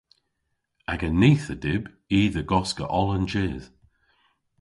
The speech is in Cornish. Aga nith a dyb i dhe goska oll an jydh.